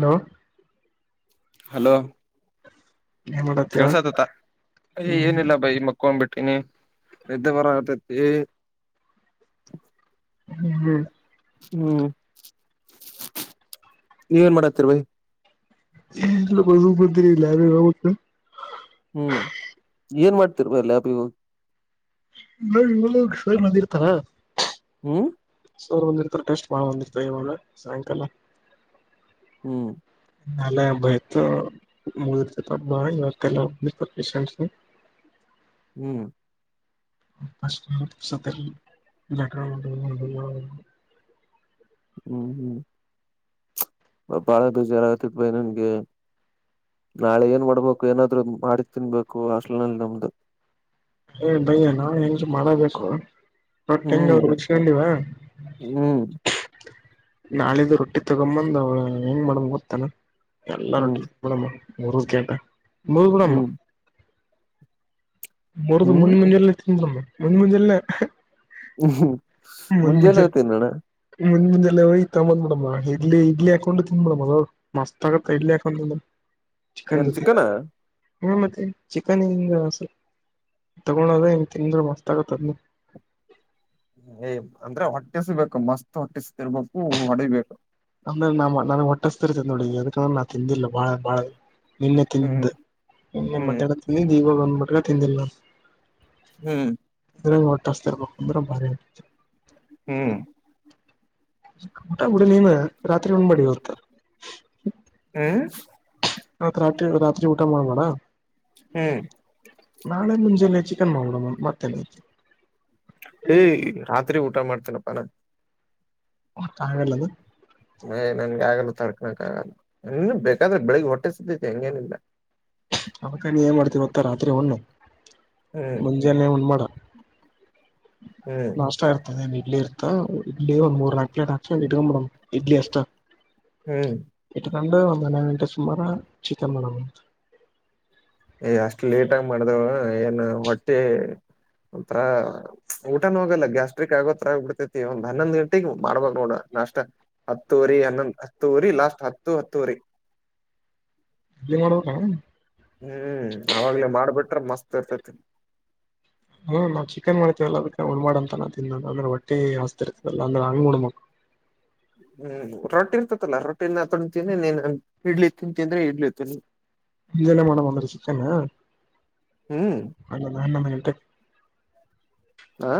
Hello. Hello. ಏನ್ ಮಾಡತ್ತ ಕೆಳಸಾತತ್ತಾ ಅಯ್ ಹ್ಮ್ ಏನಿಲ್ಲಾ ಬೈ ಮಕ್ಕೊಂಬಿಟ್. ಟ್ಟಿನಿ ನಿದ್ದೆ ಬರಾಕತ್ತೇತಿ. ಹ್ಮ್ ಹ್ಮ್. ಹ್ಮ್. ನೀವೇನ್ ಮಾಡಾತ್ತೀರ ಭೈ. [inaudible] ಹ್ಮ್ ಏನ್ ಮಾಡ್ತಿರ್ ಬರೇ ಲ್ಯಾಬಿಗೋಗಿ. ನಾವ್ ಹೋಗದ್ರಾಗ್ ಸರ್ ಬಂದಿರ್ತಾರ. ಹ್ಮ. ಸರ್ ಬಂದಿರ್ತಾರ ಟೆಸ್ಟ್ ಬಾಳ್ ಬಂದಿರ್ತಾವ್ ಇವಾಗ ಸಾಯಂಕಾಲ. ಹ್ಮ್. ನಾಲೆ ಹಬ್ಬಾಇತ್ತು ಮುಗ್ದಿರ್ತೆತ್ ಹಬ್ಬಾ ಇವತ್ತೆಲ್ಲ ಹೋಗಿರ್ತ್ ಪೇಷಂಟ್ಸ. [unintelligible] ಹ್ಮ್. [inaudible] ಹ್ಮ್ ಹ್ಮ್. ಬಬಾಳ್ ಬೇಜಾರಾಗಾತೆತ್ ಭೈ ನನ್ಗೆ. ನಾಳೆ ಏನ್ ಮಾಡ್ಬೇಕು ಏನಾದ್ರೂ ಮಾಡಿ ತಿನ್ಬೇಕು ಹಾಸ್ಟ್ಲನಲ್ಲಿ ನಮ್ದು. ಏ ಭೈ ನಾಳೆ ಏನ್ರ ಮಾಡಬೇಕೂ. ಹ್ಮ್ ರೊಟ್ಟಿಹೆಂಗದ್ರು ಉಳಸ್ಕೊಂಡಿವಾ. ಹ್ಮ್ ನಾಳಿದ್ದ ರೊಟ್ಟಿ ತಗಂಬಂದ್ ಅವ ಹೆಂಗ್ ಮಾಡಮಗೊತ್ತನ್ ಎಲ್ಲಾ ಹ್ಮ್ ರೊಟ್ಟಿ ತ. ಮೂರುದಕ್ಯಾಟ್ ಮುರದಬಿಡೊಮ್. ಹ್ಮ್ ಮುರದ್ ಹ್ಮ್ ಮುಂಜ್ ಮುಂಜೆಲೆ ತಿಂದಬಿಡಮ ಮುಂಜ್ ಮುಂಜೆಲೆನ ಅಹ್ಹ. ಹ್ಮ್ ಮುಂಜೆನೆರೆ ತಿನ್ನಣ್ಣಾ. ಮುಂಜೆ ಮುಂಲ್ಲ ಹೋಗಿ ತುಗುಂದ್ ಬಂದ್ ಬಿಡಮ್ಮ ಇಲ್ಲಿ ಇಡ್ಲಿ ಹಾಕೊಂಡು ತಿಿಂದ್ ಮಡ್ ಅದ್ ಮಸ್ತ ತೈಲಕಂದ ಏನ್ ಚಿಕ್ಕನ ಹಾ ಮತ್ತೆ ಚಿಕನ್ ಸರ್ ತಗೊಂಡಳದ ಹೆಂಗ ತಿಂದ್ರೆ ಮಸ್ತ್ ಆಗತ್ತದ ಏ್ ಅಂದ್ರೆ ಹೊಟ್ಟಿಸ್ಬೇಕು ಮಸ್ತ್ ಹೊಟ್ಟಿಸತಿರ್ಬೇಕು ಹೊಡಿಬೇಕು ಅಮೇಲೆ ನ ನನಗ್ ಹೊಟ್ಟಸ್ತರ್ತ ನೋಡಿ ಅದಕಂದ್ರ ನಾ ತಿಂದಿಲ್ಲ ಬಾಳ ಬಾಳ ನಿನ್ನೆ ಹ್ಮ್ ತಿಂದು ನಿನ್ನೆ ಹ್ಮ್ ಮತ್ತೆಲ್ಲ ತಿಿಂದಿದ್ದು ಈವಾಗ ಬಂದ್ಬಿಟ ತಿಂದಿಿಲ್ಲ ನಾನು ಹ್ಮ್ ಷ್ಟಂದ್ರ ಭಾರಿ ಹ್ಮ್ ಊ ಗುಡ ನೀನು ರಾತ್ರಿ ಉಣ ಬಡಿ ಹೋಗತ ಹ್ಮ್ ಆತ್ತ್ರಿ ರತ್ರಿ ಊಟ ಮಾಡಬೆಡ್ ಹ್ಮ್ ನಾಳೆ ಮುಂಜೆಲ್ಲೆ ಚಿಕನ್ ಮಾಡಡ ಮತ್ತೆಲ್ಲ ಐ ಏ್ ರಾತ್ರಿ ಊಟ ಮಾಡ್ತೇನಪ್ಪಾನ ಹ ತಲ್ಲದು ಮ್ ನನ್ಗೆ ಆಗಲುೂ ತರಕ ಹಕ್ಕಾಗಲ್ಲ ಇನ್ನು ಬೇಕಾದ್ರೆ ಬೆಳಿಗ್ ಹೊಟ್ಟೆ ಸಿದ್ದೈತೆ ಹೆಂಗೇನಿಲ್ಲ ಅವಕ್ಕ ನೀ ಏನ್ ಮಾಡ್ತವಿ ಮತ್ತ ರಾತ್ರಿ ಒಣ್ಣು ಹ್ಮ್ ಮುಂಜಾನೆ ಉಣ ಮಾಡಾ ಹ್ಮ್ ನಾಷ್ಟ ಇರ್ತದೆನ್ ಇಡ್ಲಿ ಇರ್ತ ಇಡ್ಲಿ ಒಂದ್ ಮೂರ್ ನಾಲ್ಕ್ ಪ್ಲೇಟ್ ಹಾಕಿ ಒ ಇಡ್ಕೊಂಬಿಡ ಇಡ್ಲಿ ಹ್ಮ್ ಅಟ ರಂಡ ಒಂದನ್ನ ಗಿನಿಟ ಸುಮಾರ ಚಿಕನ್ ಮಾಡಡ ಏ್ ಅಷ್ಟ್ ಲೇಟಗ ಮಾಡ್ದವು ಏನು ಹೊಟ್ಟೆ ಒಂಥರ ಊಟನ ಹೋಗಲ್ಲ ಗ್ಯಾಸ್ಟ್ರಿಕ್ ಆಗೋತ್ರರ ಬಿಡ್ತೇತಿ ಒಂದ್ ಹನ್ನೊಂದ್ ಗಂಟೆಗ್ ಮಾಡ್ಬ ನೋಡ ನಾಷ್ಟ ಹತ್ತು ವರಿ ಹನ್ನೊಂದ ಹತ್ತು ರಿ ಲಾಸ್ಟ್ ಹತ್ತು ಹತ್ತ ರಿ ಇ ಮಾಡ್ಬೇಕ ಹ್ಮ್ ಅವಾಗ್ಲ ಮಾಡ್ಬಿಟ್ರೆ ಮಸ್ತ್ ಇರ್ತತಿನಿ ಹ್ಮ ನಾವವು ಚಿಕನ್ ಮಾಡ್ತೇವಲ್ಲ ಅದಕ್ಕೆ ಉಣ ಮಾಡಾಂತಾನಾ ತಿಿಂದ ಅಂದ್ರೆ ಒಟ್ಟಿ ಹಸ್ತಿ ಇರ್ತದಲ್ಲ ಅಂದ್ರೆ ಹಂಗ್ ಉಣ್ಮಕ್ ಹ ಹ್ಮ್ ರೊಟ್ಟಿ ಇರ್ತತಲ್ಲಾ ರೊಟ್ಟಿ ತೊೊಂಡತನ್್ರಿ ನೀನ್ ಇಡ್ಲಿ ತಿಂತಿಂದ್ರೆ ಇಡ್ಲಿ ತಿನ್ಿ ಇಲ್ಲ ಮನ ಬಂದರು ಚಿಕನ್ನ ಹ್ಮ್ ಹಣ್ಣ ಅಣ್ಣ ಮತ ಹಾ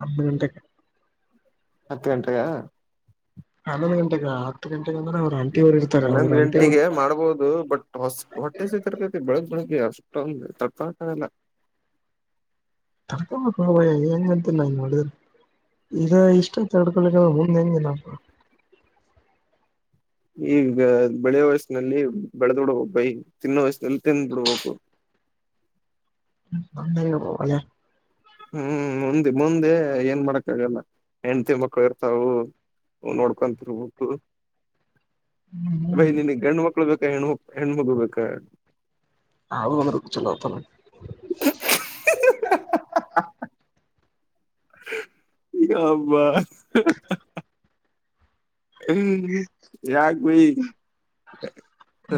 ಹತ್ತು ಗಂಟಕ್ಕೆ ಹತ್ತು ಗಂಟೆಗ ಹನ್ನೊಂದು ಗಂಟೆಗ ಹತ್ತು ಗಂಟೆ ಹನ್ನೊಂದ್ ಗಂಟೆಗೆ ಮಾಡ್ಬೋದು ಬಟ್ ಹೊ ಹೊಟ್ಟೆ ಸ ತರ್ಕತಿ ಬೆಳಗ್ ಬೆಳಗ್ಗೆ ಯ ಷ್ಟ ತಡಕೋಳಕಾ ಆಗಲ್ಲ ತರ್ಕ ಭಯ ಹೆಏಂಗ ಅಂತಿಲ್ಲ ಇಂಗ ನೋಡಿದ್ರ ಇ ಇಷ್ಟ ಅಂತ ಹೇಡ್ಕೊಳಿ್ರ ಮುಂದ್ ಹೆಂಗಿಲ್ಲ ಈಗ ಬೆಳೆ ವಯಸ್ಸಿನಲ್ಲಿ ಬೆಳೆದ್ ಬಿಡ್ಬ ಬೈ ತಿನ್ನೋ ವಯಸ್ಸನಲ್ಲಿ ತಿಿಂದ್ ಬಿಡ್ಬೇಕು ಅಂದಲ ಹ್ಮ್ ಮುಂದೆ ಮುಂದೆ ಏನ್ ಮಾಡಕ್ಕ ಆಗಲ್ಲ ಹೆಂಡತಿ ಮಕ್ಕಳು ಇರ್ತಾವು ಹ ನೋಡ್ಕೊಂತರ್ಬು ಬೈ ನಿನ್ಗ್ ಹೆಣು ಮಕ್ಳು ಬೇಕಾ ಹೆಣಕ್ ಹೆಣ್ಮಗ ಬೇಕಾ ಹದು ಒಂದು ಕ ಚಲ್ಲತ್ತಲ್ಲ ಈ ಹಬ ಹ್ಮ ಯಾಗ ಭ ಹ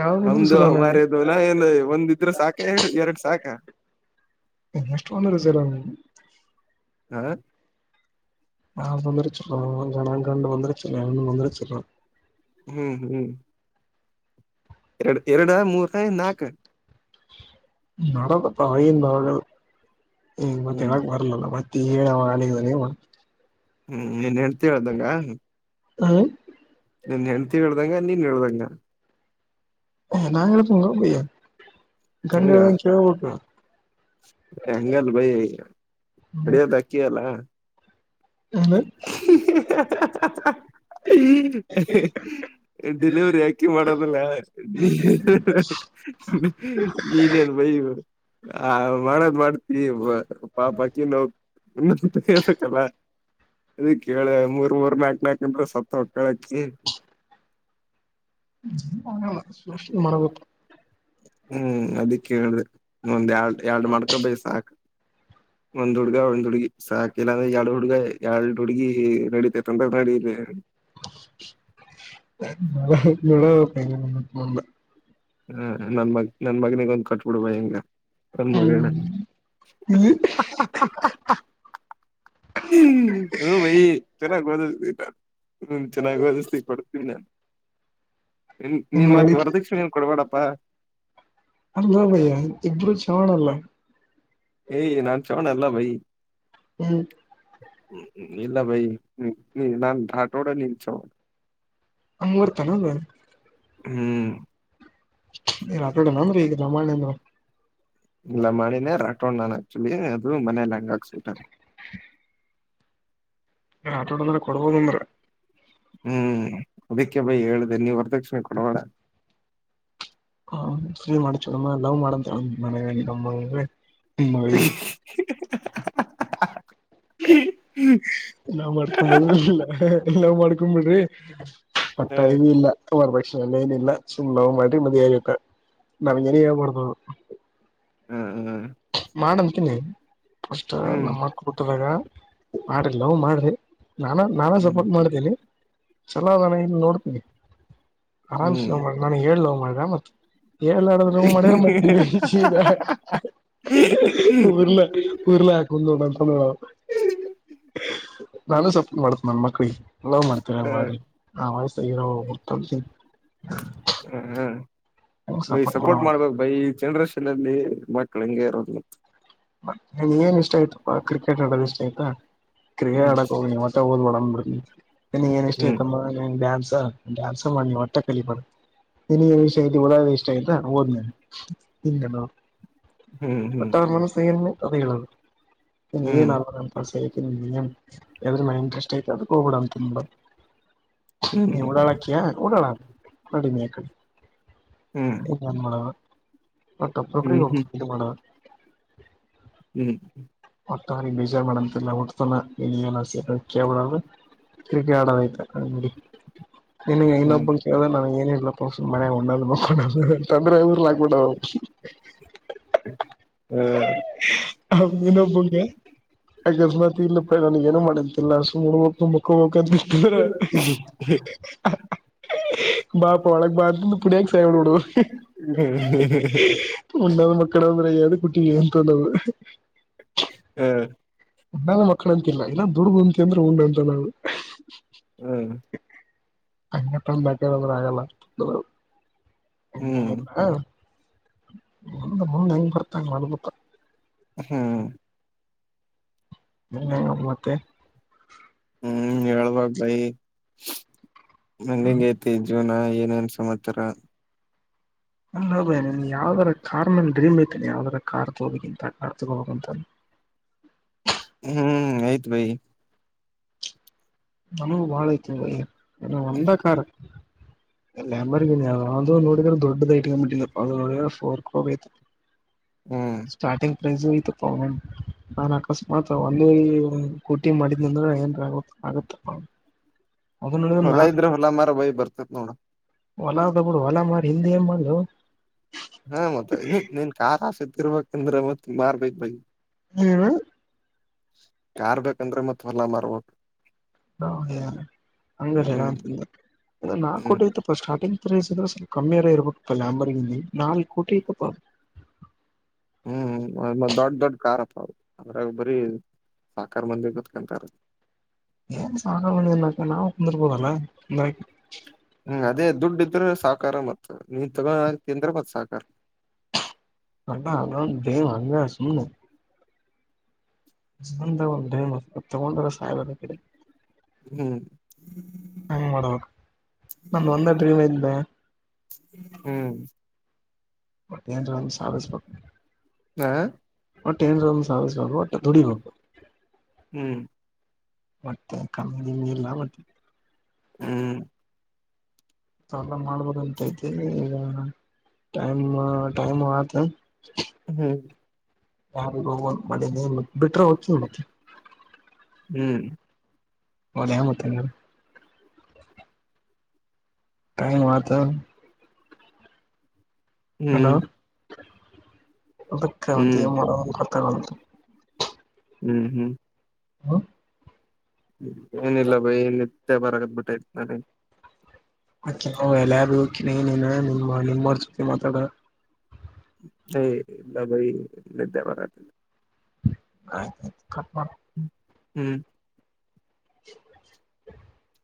ಯಾವ್ ಬಂದ್ರು ಹಮ್ದು ಚಲೋನ ಅಮಾರದು ನ ಏನು ಒಂದಿದ್ರ ಸಾಕ ಎ ಎರಡು ಸಾಕ ಎಷ್ಟವನ್ನು ರ ಸರ ಹ ನಾ ಬಂದರುಚ ಗಣ ಗಂಡು ಬಂದರುಚ ಇನ್ನ ವಂದರುಚ ಹ್ಮ್ ಹ್ಮ್ ಎರಡು ಎರಡು ಮೂರ ನಾಕು ನಡದಪ್ಪ ಯಿಂದಾಗ ಈ ಮತ್ತೆ ಹ್ಮ್ ಯಾಕೆ ಬರ್ಲಲ್ಲ ಮತ್ತ ಹೇಳವ ಅಲ್ಲಿ ನೀಮ್ಮ ಹ್ಮ್ ನೀನ್ ಹೆಂಡತಿ ಹೇಳ್ದಂಗ ಹ್ಮ ಹ ಹ ನಾಂಗಡೆ ಪೊಂಗ ಬಯ್ಯಾ ಗಂಡರವ ಕೆ ಹಟ ಹಂಗಲ್ಲ ಭೈ ಅಡಿಯೋದ ಅಕ್ಕಿಯಲ್ಲ ಹ್ಣ ಈ ಲವರಿ ಯಾಕೆ ಮಾಡೋದಲ್ಲ ನೀ ನೀನೇ ಅನ್ ಭಯ ಹ ಆ ಮಾಡದ್ ಮಾಡ್ತಿ ಪಾಪಕ್ಕಿ ನೋ ಇನ್ನ ಹೇಳ್ಬೇಕಲ್ಲ ಅದ ಕೇಳ ಮೂರ್ ಮೂರ್ ನಾಕ್ ನಾಕ ಗಂಟ ಸತ್ತ ಹಕ್ಕಳಕ್ಕಿ ಅ ಸೂಷಿತ ಮರಬೇಕ ಹ್ಮ್ ಅದಿಕ್ ಹೇಳೇಳ್ದ ಒಂದ್ ಎರಡು ಎರಡು ಮಾಡ್ಕೊಬೇ ಸಾಕ ಒಂದ್ ಹುಡ್ಗ ಒಂದ್ ಹುಡ್ಗಿ ಸಾಕಲ್ಲ ಅಂದ್ರೆ ಎರಡ್ ಹುಡ್ಗ ಎರಡ್ ಹುಡ್ಗಿ ನಡೀಿತ ತಂದಸಡಿಲ್ಲ ನಳ ಹ ನನ್ ಮಗ್ ನನ್ ಮಗನಿಗೊಂದ್ ಕಟ್ಬಿಡ್ಬ ಹಿಂಗ ಅನ್ ಹ್ಮ್ ಮರಿಣ ಹ್ಮ ಭೈ ಚಲಾಗಟ ಹ್ಮ ಚೆನ್ನಾಗಿ ಅದತಿ ಕೊಡ್ತೀನಿ ನಾನನ್ ನೀನ್ ಮತ್ ವರದಕ್ಷಣ ಅಲ್ಲಾ ಭಯ್ಯ ಇಬ್ಬರು ಚವಣ ಅಲ್ಲ ಏಯ್ ನಾನ್ ಚೋನ ಅಲ್ಲ ಭಯಿ ಹ್ಮ್ ಹ್ಮ ಇಲ್ಲ ಭೈ ನಾನನ್ ಾಟೋಡ ನಿಲ್ಚ ಅಂಗುವರ್ತಾನಲ್ಲ ಹ್ಮ್ ನೀ ಕಡೆ ನಂದ್ರೀ ಈಗ ರಾಮಾಯಣ ಅಂದರು ಇಲ್ಲ ಮಣಿನೇ ರಾಕೊಂಡ್ ನನ ಅ ಮನೆ ಲಂಗಕ್ ಸಟ ಹ ಆಟೋಟದಲ್ಲಿಲ್ಲ ಕೊಡ್ಬೋದು ಅಂದ್ರೆ ಹ್ಮ್ ಅದಕ್ಕೆ ಬಯಿ ಹೇಳುದ ನೀವ್ ಹೊರದಕ್ಷಿಣೆ ಕೊಡುವೋಣ ಹ ಸು ಮಾಡ ನಮ್ಮ ಲವ್ ಮಾಡಂತ ಮನವ ನಮ್ಮ [inaudible] ನಾ ಮಾಡ್ತಲ್ಲ ನಾವ್ ಮಾಡ್ಕೊ್ ಬಿಿಡ್ರಿ ಹ ಪಟ್ಟಾಯ ಇಲ್ಲ ಸುಮಾರ್ ಪಕ್ಷೆ ಅಲ್ಲೇನ ಇಲ್ಲ ಚುನ್ನ ಮಾಡಿ ಮದಿಯಾಗಿ ನಾಾವಿನ ಮಾಡತ ಹ್ಮ ಮಾಡಂತೀನಿ ಅಸ್ ಹ್ಮ್ ನಮ್ಮ ಕುತ ಬ್ಯಾಗ ಮಾಡಿದ್ ಲವ್ ಮಾಡ್ದಿ ನಾನಾ ನಾನಾ ಹ್ಮ್ ಸಪೋರ್ಟ್ ಮಾಡ್ತೀನಿ. ಚಲೋ ನಾನ ಇನ್ನ್ ನೋಡ್ತೀನಿ ಆರಾಮ್ಸ ಹ್ಮ್ ಲವ್ ಮಾಡ ನನಗ್ ಹೇಳ್ದ ಲವ್ ಮಾಡ್ದ ಮತ್ತೆ. ಹೇಳ್ಳಾರ್ದ ಲವ್ ಮಾಡುದ್ರೆ [unintelligible] [unintelligible] ನಾನು ಸಪೋಟ್ ಮಾಡ್ತ ನನ್ ಮಕ್ಳಿಗೆ. ಲವ್ ಮಾಡ್ತಿರ ಮಾಡ್ರಿ ಹ ಆ ವಯಸ್ಸ್ ಇರೋವರ್ಗ [unintelligible] ಹ ಬೈ ಸಪೋರ್ಟ್ ಮಾಡ್ಬೇಕು ಬೈ ಜನ್ರೇಷನ್ ಅಲ್ಲಿ ಮಕ್ಳ ಹಿಂಗೆ ಇರೋದು. ಮತ್ತ ನನ್ಗೇನ್ ಇಷ್ಟ ಆಯ್ತಪ ಕ್ರಿಕೆಟ್ ಆಡೋದ ಇಷ್ಟ ಆಯ್ತ ಕ್ರಿಕೆಟ್ ಹ್ಮ್ ಆಡಕ್ ಹೋಗಿ ಮತ್ತೆ ಓದ್ಬೆಡ. ಹ ನಿನಗ ಏನ್ ಇಷ್ಟ ಹ್ಮ್ ಐತಮ್ಮ ಡ್ಯಾನ್ಸ ಡ್ಯಾನ್ಸ ಮಾಡ ಮಟ್ಟ ಕಲಿ ಬ್ಯಾಡ. ನಿನಗೆ ಏನ್ ಇಷ್ಟ ಐತಿ ಓದಕ ಇಷ್ಟ ಆಯ್ತಾ ಓದ್ನೇ ಹಂಗೆಲ್ಲ. ಹ್ಮ್ ಹ್ಮ್ [unintelligible] ನಿನ್ಗೇನ್ ಹ್ಮ್ ಆಗ್ಬೇಕಂತ್ ಆಸೆ? ಯದ್ರ್ ಮೇಲಿ ಇಂಟ್ರೆಷ್ಟ್ ಐತೆ ಅದಕ್ಕೆ ಹೋಗ್ಬಿಡ ಅಂತ ಆನ್ಬಾರ್ದು. ನೀ ಹ್ಮ್ ಊಡಾಳಕ್ಕಿಯ ಊಡಾಳ ಕಡಿಮೆ [unintelligible] ಹ್ಮ್ ಇ [inaudible] ಹ್ಮ್ [unintelligible] ಹ್ಮ್ ಮತ್ ಅವನ್ ಬಿಜಿ ಮಾಡಂತಿಲ್ಲ ಹುಟ್ತನ [unintelligible] ಕ್ರಿಕೆಟ್ ಆಡೋದೖತೆ ನಡಿ ನಿನಗೆ ಹ್ಮ್ ಇನ್ನೊಬ್ಬ ಕೇಳಿದ್ರೆ ನ ಏನ್ ಹೇಳಿ [unintelligible] ಹ ಹ ಇನೊಬ್ಬಗೆ ಅಕಸ್ಮಾತ ಇಲ್ಲ ಏ ನನ್ಗ್ ಏನು ಮಾಡಂತಿಲ್ಲ ಸುಮ್ನ ಮುಕ್ಕಬೇಕು ಅಂತ [unintelligible] ಬಾಪ ಒಳಕ್ ಬಾ [unintelligible] ಒನ್ನಾದ ಮಕ್ಕಳಾದಂದ್ರ ಎದಕ್ಕ ಹುಟ್ಟಿಂತನ್ನದು. ಹ್ಮ್ [unintelligible] ಮಕ್ಕಳ ಅಂತಿಲ್ಲ ಇಲ್ಲ ದುಡದ ಅಂತ ಅಂದ್ರ ಉಂಡ ಅಂತ ನಾವು. ಹ್ಮ್ [unintelligible] ಹೆಂಗ್ ಹ್ಮ್ ಬರ್ತಾಂಗ [unintelligible] ಹ್ಮ್ ಹ ಮತ್ತೆ ಹ್ಮ್ ಹೇಳ್ಬೇಕ್ ಬೈ ಹ್ಮ ಮುಂದಂಗೖತಿ ಜೀವನ. ಏನೇನ್ ಸಮಾಚಾರ? ಅ ಬಯ್ ನನ್ ಯಾವ್ದರ ಕಾರ್ ಮ ಡ್ರೀಮ್ ಐತೆನಿ ಯಾವ್ದರ ಕಾರ್ ತಗೋಬೇಕಗಿಂತ ಕಾರ್ ತಗೋಬೇಕು ಅಂತ. ಹ್ಮ್ ಆಯ್ತು ಭೈ. ನಾನೂ ಬಾಳ ಆಯ್ತು ನ ಒಂದ ಕಾರ. ಹ ಅಲ್ಲಂಬ ಅದು ನೋಡಿದ್ರೆ ದೊಡ್ಡದ ಐಟ್ ಬಿಿಟ್ಟ ನೋಡಿದ್ರೆ ಫೋರ್ ಕ್ರೋ ಆಯತ. ಹ್ಮ್ ಸ್ಟಾರ್ಟಿಂಗ್ ಪ್ರೈಸ್ ಐತಪ್ಪ್ ನಾನು ಅಕಸ್ಮಾತ್ ಒಂದು ಕೂಟಿ ಮಾಡಿದ್ನ ಅಂದ್ರ ಏನ್ ಆಗ ಆಗತ್ತಪ್ಪ. ಅದು ನೋಡಿದ್ರ ಹೊಲ ಇದ್ರೆ ಹೊಲಾ ಮಾರ ಬೈಯ ಬರ್ತೇತ್ ನೋಡ. ಹೊಲಾದ ಬಿಡು ಹೊಲಾ ಮಾರಿ ಹಿಂದ ಏನ್ ಮಾಡದು. ಹಾ ಮತ್ತ ನೀ ನೀನ್ ಕಾರ್ ಆಸೆ ತೀರ್ರ್ಬೇಕಂದ್ರೆ ಮತ್ ಮಾರ್ಬೇಕ್ ಬೈ. ಹ್ಮ ಕಾರ್ ಬೇಕಂದ್ರೆ ಮತ್ ಹೊಲ ಮಾರ್ಬೇಕು. ಹ ಹಂಗ ಅಂತ ನಾಕ ಹ್ಮ್ ಕೋಟಿ ಇತ್ತುಪ್ಪ ಸ್ಟಾರ್ಟಿಂಗ್. ಪ್ರೖಸಿದ್ರೆ ಸ್ವಲ್ಪ ಕಮ್ಮಿಯರ ಇರ್ಬಬೇಕಪ್ಪ ಲ್ಯಾಂಬರಿಂಗೆ ನಾಲ್ಕ ಕೋಟೀ ಐತಪ್ಪ. ಹ್ಮ್ ದೊಡ್ಡ ದೊಡ್ಡ ಕಾರಪ್ಪ ಅದ್ ಅದ್ರಾಗ ಬರೀ ಸಾವ್ಕಾ ಮಂದಿ ಕೂತ್ಕಂತಾರೆ. ಏನ್ ಸಾವ್ಕಾರ್ ಮಂದಿ ನಾವು ಕುಂದಿರ್ಬೋದಲ್ಲ. ಹ್ಮ ಅದೇ ದುಡ್ಡ ಇದ್ರ ಸಾ ಸಕಾರ ಮತ್ತ ನೀ ತಗತಿ ಅಂದ್ರ ಸಕಾರ ಅನ್ನ ಅಲ್ಲ ಬೇ ಅ ಸುನ ಒ [unintelligible] ತಗೊಂಡ ಅರೆ ಸಾಯಬೇಕ ಅಕಡಿ ಹ್ಮ. ಹ ಮಾಡಬೇಕ ನ ಒಂದ ಡ್ರೀಮ ಐತೆ ಬೆ ಹ್ಮ. ಮತ್ತ ಏನರ ಒಂದ ಸಾಗಿಸ ಬ ಹಾ ಒಟ್ ಏನ್ರ ಒಂದ ಸಾದಸ್ಬೇಕು ಒಟ್ ದುಡಿಬೇಕ. ಹ್ಮ. ಮತ್ತೆ ಕಮ್ಮ ನಿಂಗ ಇಲ್ಲಾ ಮತ್ತ ಹ್ಮ. ಎಲ್ಲ ಮಾಡ್ಬೋದ ಅಂತ ಐತಿ ಈಗ ಟೈಮ್ ಟೈಮ್ ಆತ ಹ್ಮ. ಯಾರ ಹೋಗ ಮ ನೀ ಬಿಟ್ರ ಹೋಕಿನ ಮತ್ತ ಹ್ಮ. ಹದ ಮತ್ತನೇರ ಕೈ ಮಾತ ಹ್ಮ. ಅದಕ್ಕ ಅಂತ ಏನ್ ಮಾಡುದ ಗೊತ್ತ ಆಗವಲ್ತ. ಹ್ಮ ಹ್ಮ. ಹಾ ಏನಿಲ್ಲ ಬೈ ಏನಿಲ್ಲ ನಿದ್ದೆ ಬರಕತ್ತಾತಿ ನನಗ ಆಕೆ ನವು ಎಲ್ಲ ಬಿನ ನೀನ ನಿಮ ನಿಮ್ಮ್ರ ಜೊತೆ ಮಾತಾಡ ಎ ಇಲ್ಲ ಭೈ ನಿದ್ದೆ ಬರ ಆಯ್ತ ಕಟ್ ಮಾಡ. ಹ್ಮ. [inaudible]